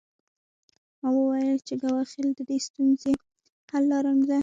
ما وویل چې ګواښل د دې ستونزې حل لاره نه ده